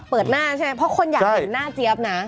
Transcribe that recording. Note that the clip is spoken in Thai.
เปิดหน้าใช่ไหมเพราะคนอยากเห็นหน้าเจี๊ยบนะ